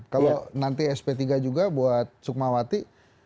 kalau nanti sp tiga juga buat sukmawati